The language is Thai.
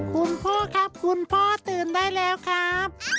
คุณพ่อครับคุณพ่อตื่นได้แล้วครับ